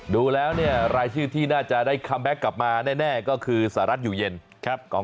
ดูแล้วเนี่ยรายชื่อที่น่าจะได้คัมแบ็คกลับมาแน่ก็คือสหรัฐอยู่เย็น